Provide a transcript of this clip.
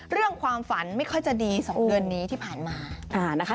เรื่องความฝันไม่ค่อยจะดี๒เดือนนี้ที่ผ่านมานะคะ